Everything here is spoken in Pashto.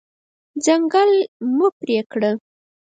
ځنګل مه پرې کړه.